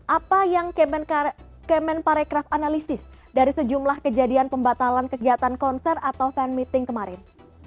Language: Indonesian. apa yang kemen parekraf analisis dari sejumlah kejadian pembatalan kegiatan konser atau fan meeting kemarin